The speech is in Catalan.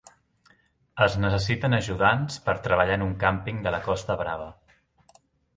Es necessiten ajudants per treballar en un càmping de la Costa Brava.